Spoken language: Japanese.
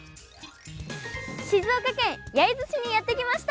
静岡県焼津市にやって来ました！